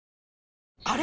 あれ？